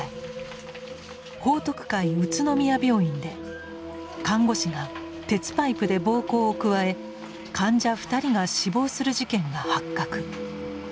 報徳会宇都宮病院で看護師が鉄パイプで暴行を加え患者２人が死亡する事件が発覚。